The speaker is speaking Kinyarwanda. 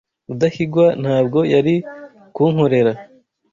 Rudahigwa ntabwo yari kunkorera.